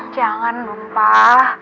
jangan dong pak